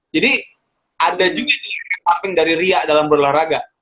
jadi ada juga nih yang kepaping dari ria dalam olahraga